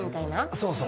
そうそう。